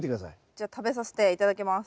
じゃあ食べさせて頂きます。